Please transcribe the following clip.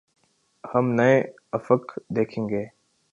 ہم نئے افق دیکھیں گے۔